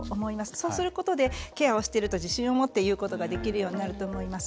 そうすることでケアをしていると自信を持って言うことができるようになると思います。